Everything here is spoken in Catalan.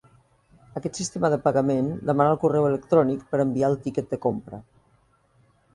Aquest sistema de pagament demana el correu electrònic per enviar el tiquet de compra.